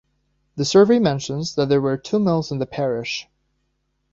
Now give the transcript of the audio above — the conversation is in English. The survey mentions that there were two mills in the parish.